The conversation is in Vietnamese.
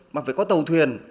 mà phải có tàu thuyền